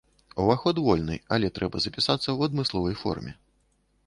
Уваход вольны, але трэба запісацца ў адмысловай форме.